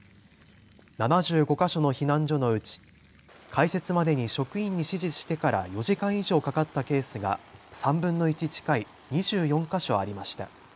７５か所の避難所のうち開設までに職員に指示してから４時間以上かかったケースが３分の１近い２４か所ありました。